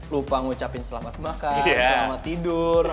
lupa ngucapin selamat makan selamat tidur